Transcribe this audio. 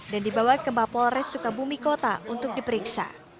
dan dibawa ke bapolres sukabumi kota untuk diperiksa